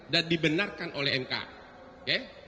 dan dibenarkan oleh mk oke